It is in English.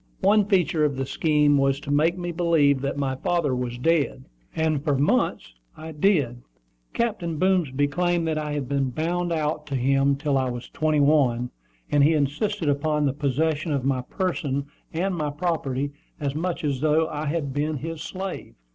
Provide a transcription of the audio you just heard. One feature of the scheme was to make me believe that my father was dead; and for months I did believe it. Captain Boomsby claimed that I had been "bound out" to him till I was twenty one; and he insisted upon the possession of my person and my property as much as though I had been his slave.